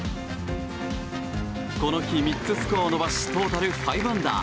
この日、３つスコアを伸ばしトータル５アンダー。